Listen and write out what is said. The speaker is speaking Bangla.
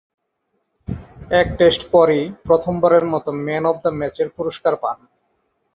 এক টেস্ট পরই প্রথমবারের মতো ম্যান অব দ্য ম্যাচের পুরস্কার পান।